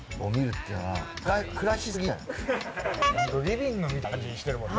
リビングみたいな感じにしてるもんね。